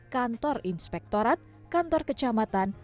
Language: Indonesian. kantor inspektorat kantor kecamatan